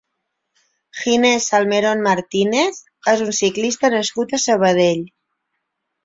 Ginés Salmerón Martínez és un ciclista nascut a Sabadell.